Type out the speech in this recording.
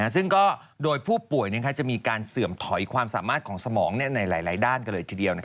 ซึ่งก็โดยผู้ป่วยจะมีการเสื่อมถอยความสามารถของสมองในหลายด้านกันเลยทีเดียว